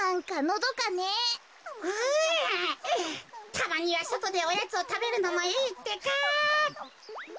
たまにはそとでおやつをたべるのもいいってか。